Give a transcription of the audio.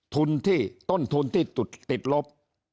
ทุนที่ต้นทุนที่ติดลบ